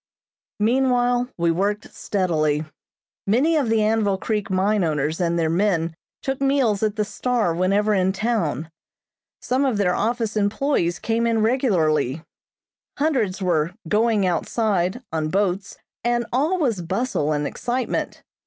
Meanwhile we worked steadily. Many of the Anvil Creek mine owners and their men took meals at the "Star" whenever in town. Some of their office employees came regularly. Hundreds were "going outside" on boats, and all was bustle and excitement.